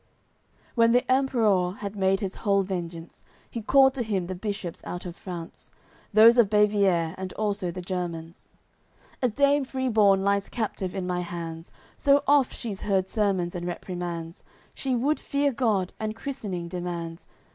CCXC When the Emperour had made his whole vengeance, He called to him the Bishops out of France, Those of Baviere and also the Germans: "A dame free born lies captive in my hands, So oft she's heard sermons and reprimands, She would fear God, and christening demands.